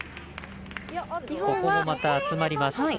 ここもまた集まります。